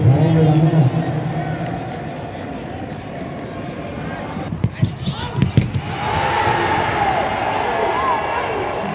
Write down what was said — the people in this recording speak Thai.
ซีกยังครับและก่อน